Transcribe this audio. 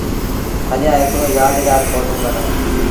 هليآ هڪڙو يآدگآر ڦوٽو ڪڍآئوٚݩ۔